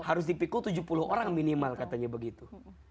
harus dipikul tujuh puluh orang minimal katanya begitu